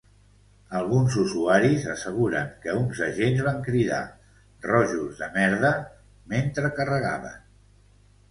Alguns usuaris asseguren que uns agents van cridar “rojos de merda” mentre carregaven.